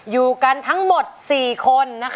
อยู่กันทั้งหมด๔คน